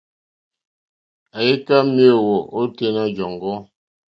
Àyíkâ méěyó ôténá jɔ̀ŋgɔ́.